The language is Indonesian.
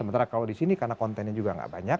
sementara kalau di sini karena kontennya juga nggak banyak